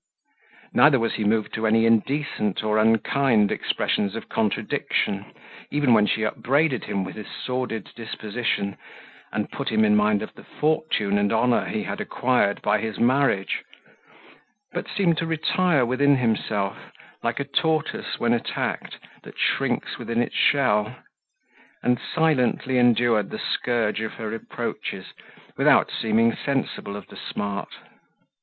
Neither was he moved to any indecent or unkind expressions of contradiction, even when she upbraided him with his sordid disposition, and put him in mind of the fortune and honour he had acquired by his marriage, but seemed to retire within himself, like a tortoise when attacked, that shrinks within its shell, and silently endured the scourge of her reproaches, without seeming sensible of the smart.